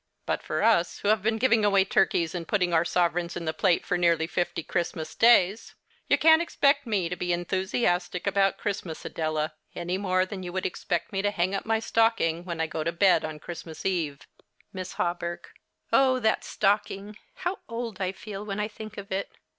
But for us, who have been giving away turkeys and putting our sovereigns in the plate for nearly fifty Christmas Days ! You can't expect me to be enthusiastic about Christ mas, Adela, any more than you would expect me to hang up my stocking wlien I go to bed on Christmas Eve. 26 The Christmas Hirelings. Miss Hawberk. Oh, that stocking ! How old I feel when I think of it